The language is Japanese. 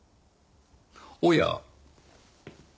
おや？